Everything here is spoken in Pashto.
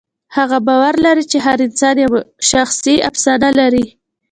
هغه باور لري چې هر انسان یوه شخصي افسانه لري.